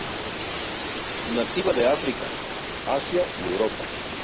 Nativa de África, Asia y Europa.